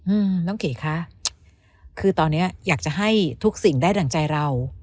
อืมน้องเก๋คะคือตอนเนี้ยอยากจะให้ทุกสิ่งได้ดั่งใจเรา